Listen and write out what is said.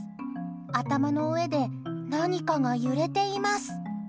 頭の上で何かが揺れています。